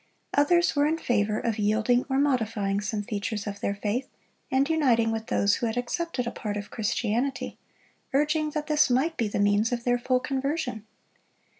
Others were in favor of yielding or modifying some features of their faith, and uniting with those who had accepted a part of Christianity, urging that this might be the means of their full conversion.